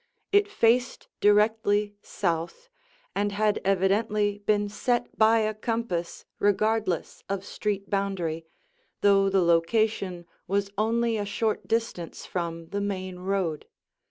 It faced directly south and had evidently been set by a compass regardless of street boundary, though the location was only a short distance from the main road.